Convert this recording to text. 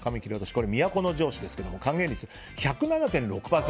これは都城市ですが還元率が１０７．６％。